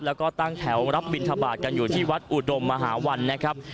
แล้วก็ตั้งแถวรับบินทบาทกันอยู่ที่วัดอุดมหาวันนะครับ